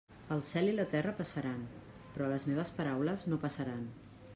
El cel i la terra passaran, però les meves paraules no passaran.